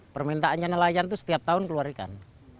permintaannya nelayan itu setiap tahun keluar ikan